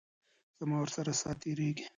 زما ورسره ساعت تیریږي.